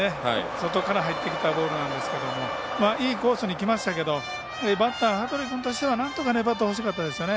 外から入ってきたボールなんですけどいいコースにきましたけどバッター、羽鳥君としてはなんとか粘ってほしかったですよね。